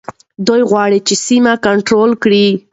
دوی غواړي چي سیمه کنټرول کړي.